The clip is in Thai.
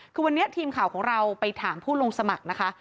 คือวันนี้ทีมข่าวของเราไปถามผู้ลงสมัครนะคะ